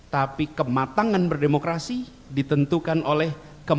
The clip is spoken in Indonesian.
tapi kematangan berdemokrasi ditentukan oleh kemampuan